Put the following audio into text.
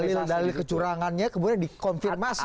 jadi dalil dalil kecurangannya kemudian dikonfirmasi oleh saksi saksi